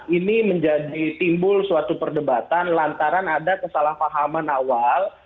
ini menjadi timbul suatu perdebatan lantaran ada kesalahpahaman awal